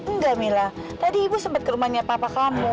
enggak mila tadi ibu sempat ke rumahnya papa kamu